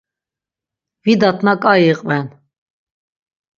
Vidatna ǩai iqven.